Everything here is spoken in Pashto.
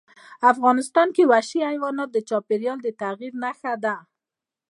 افغانستان کې وحشي حیوانات د چاپېریال د تغیر نښه ده.